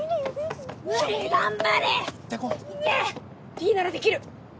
ピーならできる！